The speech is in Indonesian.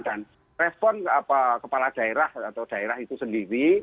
dan respon kepala daerah atau daerah itu sendiri